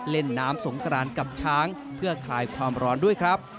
เล่นน้ำสงกรานกับช้างเพื่อคลายความร้อนด้วยครับ